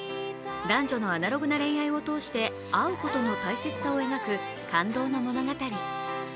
男女のアナログな恋愛を通して会うことの大切さを描く感動の物語。